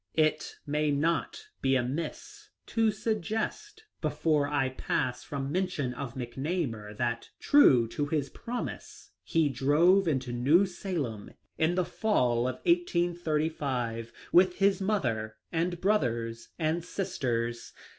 It may not be amiss to suggest before I pass from mention of McNamar that, true to his prom ise, he drove into New Salem in the fall of 1835 with his mother and brothers and sisters.